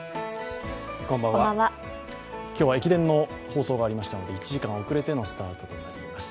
今日は駅伝の放送がありましたので１時間遅れてのスタートとなります。